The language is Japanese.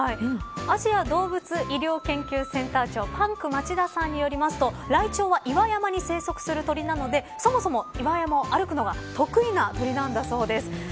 アジア動物医療研究センター長パンク町田さんによりますとライチョウは岩山に生息する鳥なのでそもそも岩山を歩くのが得意な鳥なんだそうです。